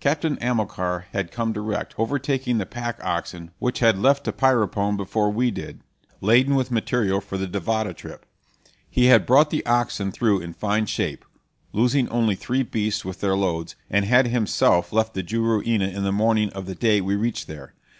Captain Amilcar had come direct, overtaking the pack oxen, which had left Tapirapoan before we did, laden with material for the Duvida trip. He had brought the oxen through in fine shape, losing only three beasts with their loads, and had himself left the Juruena the morning of the day we reached there.